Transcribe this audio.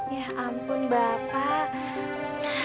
ya ampun bapak